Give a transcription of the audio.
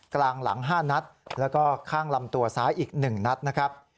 กลางหลัง๕นัดแล้วก็ข้างลำตัวซ้ายอีก๑นัดนะครับ